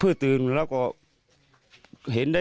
รฐสมัติตะเจ้า๙โมงครับ